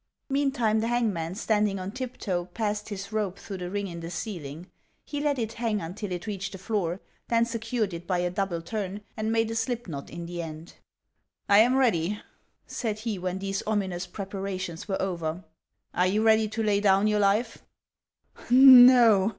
Meantime, the hangman, standing on tiptoe, passed his rope through the ring in the ceiling ; he let it hang until 512 HANS OF ICELAND. it reached the floor, then secured it by a double turn, and made a slip knot in the end. " I am ready," said he, when these ominous preparations were over ;" are you ready to lay down your life i " "No!"